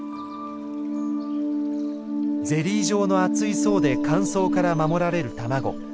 ゼリー状の厚い層で乾燥から守られる卵。